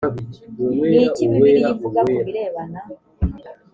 ni iki bibiliya ivuga ku birebana